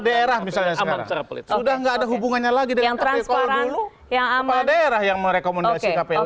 daerah misalnya sudah enggak ada hubungannya lagi yang transparan yang merekomendasikan